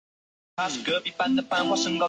在场上的位置是后卫。